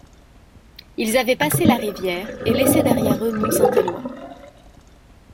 Ils avaient passé la rivière et laissé derrière eux Mont-Saint-Éloy.